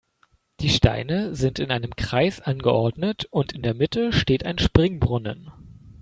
Die Steine sind in einem Kreis angeordnet und in der Mitte steht ein Springbrunnen.